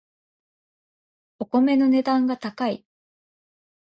お米の値段が高い